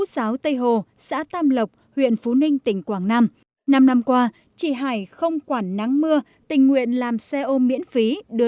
điển hình tiêu biểu